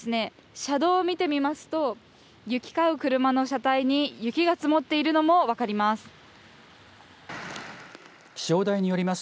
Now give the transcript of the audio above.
車道を見てみますと行き交う車の車体に雪が積もっているのが分かります。